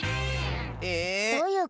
えっ⁉どういうこと？